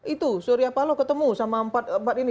itu surya paloh ketemu sama empat ini